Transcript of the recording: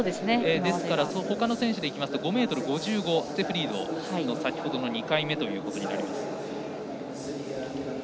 ですから、ほかの選手でいうと５ｍ５５ステフ・リードの先ほどの２回目となります。